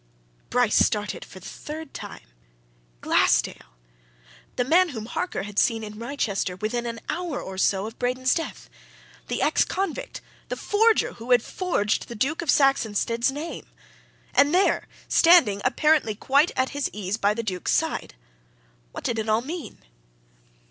Bryce started for the third time. Glassdale! the man whom Harker had seen in Wrychester within an hour or so of Braden's death: the ex convict, the forger, who had forged the Duke of Saxonsteade's name! And there! standing, apparently quite at his ease, by the Duke's side. What did it all mean?